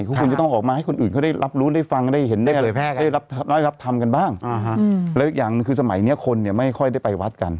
คุณจะต้องออกมาให้คนอื่นเขาได้รับรู้ได้ฟังได้เห็นได้รับธรรมกันบ้างแล้วอีกอย่างหนึ่งคือสมัยนี้คนเนี่ยไม่ค่อยได้ไปวัดกัน